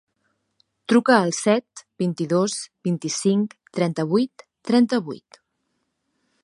Truca al set, vint-i-dos, vint-i-cinc, trenta-vuit, trenta-vuit.